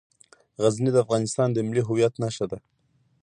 غزني د افغانستان د ملي هویت نښه ده.